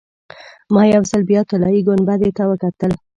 ما یو ځل بیا طلایي ګنبدې ته وکتل.